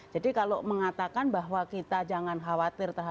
jadi kalau mengatakan bahwa kita jangan khawatir terhadap